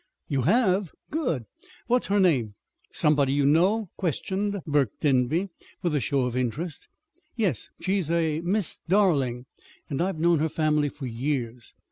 "You have? Good! What's her name? Somebody you know?" questioned Burke Denby, with a show of interest. "Yes. She's a Miss Darling, and I've known her family for years."